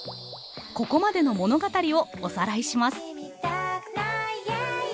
ここまでの物語をおさらいします。